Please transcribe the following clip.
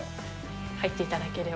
入っていただければ。